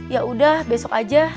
yaudah besok aja